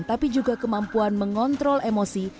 tapi juga kemampuan mengontrol emosi